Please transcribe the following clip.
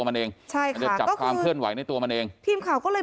มันเองใช่ค่ะมันจะจับความเคลื่อนไหวในตัวมันเองทีมข่าวก็เลย